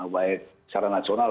baik secara nasional